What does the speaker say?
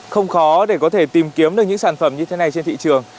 không khó để có thể tìm kiếm được những sản phẩm như thế này trên thị trường